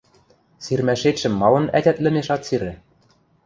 – Сирмӓшетшӹм малын ӓтят лӹмеш ат сиры?